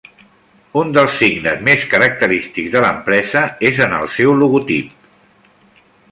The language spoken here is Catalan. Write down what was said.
Un dels signes més característics de l'empresa és en el seu logotip.